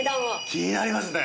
気になりますね。